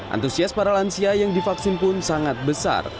antusias para lansia yang divaksin pun sangat besar